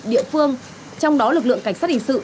địa phương trong đó lực lượng cảnh sát hình sự